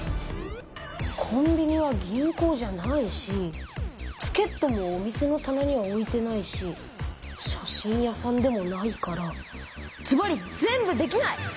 コンビニは銀行じゃないしチケットもお店のたなには置いてないし写真屋さんでもないからずばり全部できない！